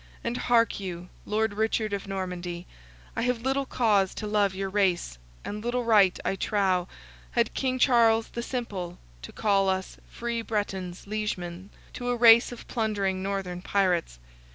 And hark you, Lord Richard of Normandy, I have little cause to love your race, and little right, I trow, had King Charles the Simple to call us free Bretons liegemen to a race of plundering Northern pirates.